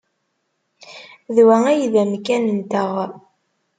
D wa ay d amkan-nteɣ.